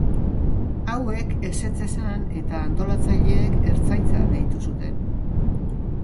Hauek ezetz esan eta antolatzaileek Ertzaintza deitu zuten.